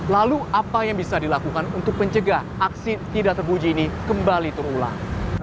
lalu apa yang bisa dilakukan untuk mencegah aksi tidak terpuji ini kembali terulang